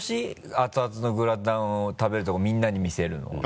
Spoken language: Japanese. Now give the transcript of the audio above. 熱々のグラタンを食べるところみんなに見せるのは。